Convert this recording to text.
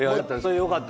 よかった！